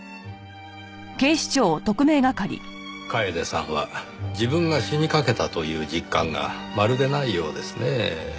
楓さんは自分が死にかけたという実感がまるでないようですねぇ。